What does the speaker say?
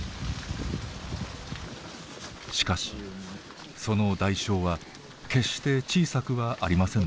しかしその代償は決して小さくはありませんでした。